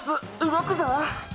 動くぞ！